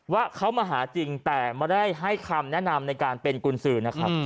ว่าเขามาหาจริงแต่ไม่ได้ให้คำแนะนำในการเป็นกุญสือนะครับ